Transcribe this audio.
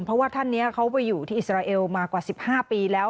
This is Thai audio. เพราะว่าท่านนี้เขาไปอยู่ที่อิสราเอลมากว่า๑๕ปีแล้ว